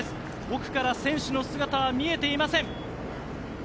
奥から選手の姿は見えていません。